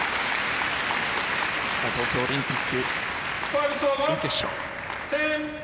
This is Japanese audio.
東京オリンピック準決勝。